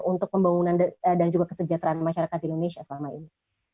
untuk pembangunan dan juga kesejahteraan masyarakat di indonesia selama ini